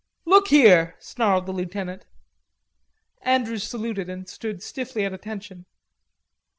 "Look here," snarled the lieutenant. Andrews saluted, and stood stiffly at attention.